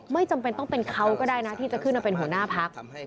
ไม่จำเป็นต้องเป็นเขาก็ได้นะที่จะขึ้นมาเป็นหัวหน้าพัก